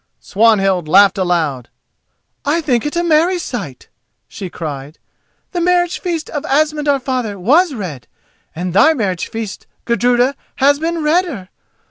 Swanhild laughed aloud. "I think it a merry sight," she cried. "The marriage feast of Asmund our father was red, and thy marriage feast, Gudruda, has been redder.